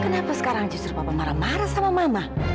kenapa sekarang justru papa marah marah sama mama